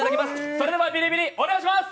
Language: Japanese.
それではビリビリお願いします。